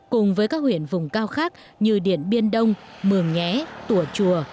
cùng với các huyện vùng cao khác như điện biên đông mường nhé tủa chùa